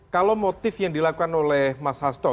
kalau motif yang dilakukan oleh mas hasto